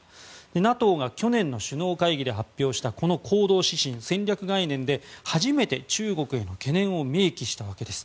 ＮＡＴＯが去年の首脳会議で発表した、この行動指針戦略概念で初めて中国への懸念を明記したわけです。